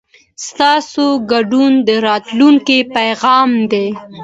ستاسو ګډون د راتلونکي پیغام دی.